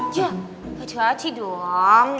ya kacau kaci doang